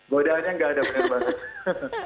godaannya nggak ada benar banget